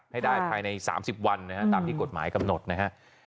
ให้ได้ภายใน๓๐วันนะฮะตามที่กฎหมายกำหนดนะครับ